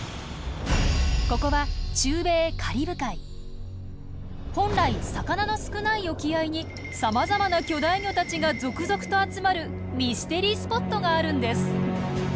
ここは本来魚の少ない沖合にさまざまな巨大魚たちが続々と集まるミステリースポットがあるんです！